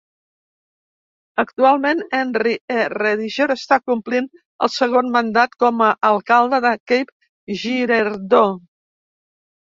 Actualment, Harry E. Rediger està complint el segon mandat com a alcalde de Cape Girardeau.